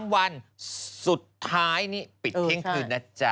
วันสุดท้ายนี่ปิดเที่ยงคืนนะจ๊ะ